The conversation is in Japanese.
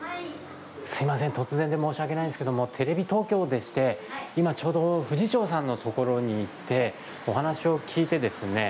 突然で申し訳ないんですけどもテレビ東京でして今ちょうど藤長さんの所に行ってお話を聞いてですね